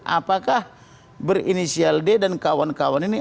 apakah berinisial d dan kawan kawan ini